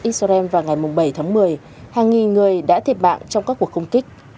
israel vào ngày bảy tháng một mươi hàng nghìn người đã thiệt bạng trong các cuộc công kích